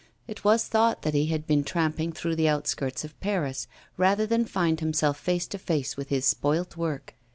It was thought that he had been tramping through the outskirts of Paris rather than find himself face to face with his spoilt work.